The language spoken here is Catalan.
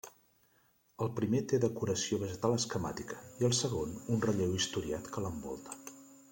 El primer té decoració vegetal esquemàtica i el segon un relleu historiat que l'envolta.